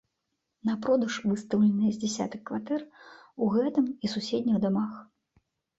На продаж выстаўленыя з дзясятак кватэр у гэтым і суседніх дамах.